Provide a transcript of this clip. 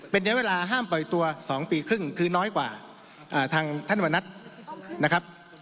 เป็นระยะเวลาห้ามปล่อยตัว๒ปีครึ่งคือน้อยกว่าทางท่านวนัทนะครับ